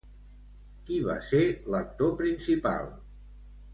Qui va ser l'actor principal?